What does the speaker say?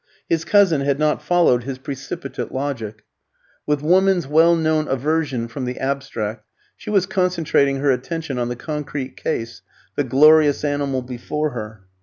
His cousin had not followed his precipitate logic. With woman's well known aversion from the abstract, she was concentrating her attention on the concrete case, the glorious animal before her.